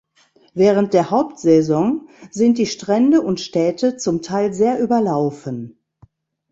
Während der Hauptsaison sind die Strände und Städte zum Teil sehr überlaufen.